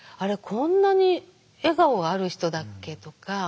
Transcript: こんなに笑顔がある人だっけ」とか。